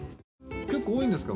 結構多いんですか？